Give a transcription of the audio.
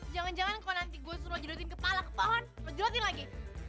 jangan jangan kalau nanti gue suruh lo judotin kepala ke pohon lo judotin lagi